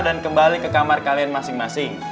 dan kembali ke kamar kalian masing masing